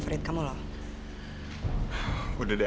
karena harus pergi dari sini